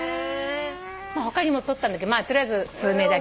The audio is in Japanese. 他にも撮ったんだけど取りあえずスズメだけ。